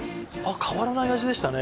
変わらない味でしたね